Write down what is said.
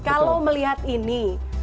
kalau melihat ini